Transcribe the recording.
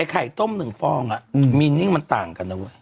ไอ้ไข่ต้มหนึ่งฟองอ่ะมีนิ่งมันต่างกันนะเว้ย